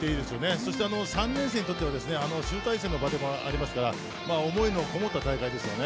そして３年生にとっては集大成の場でもありますから思いのこもった大会ですよね。